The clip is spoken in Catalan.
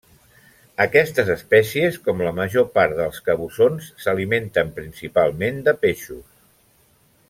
Aquestes espècies, com la major part dels cabussons s'alimenten principalment de peixos.